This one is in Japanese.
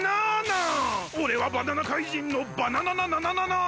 おれはバナナ怪人のバナナナナナナナーン！